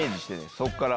そっから。